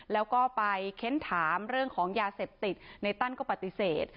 แล้วก็ไปเค้นถามเรื่องของยาเสพติดในตั้นก็ปฏิเสธ